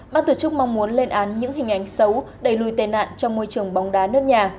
bác tổ chức mong muốn lên án những hình ảnh xấu đầy lùi tên nạn trong môi trường bóng đá nước nhà